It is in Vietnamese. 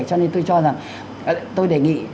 cho nên tôi cho rằng tôi đề nghị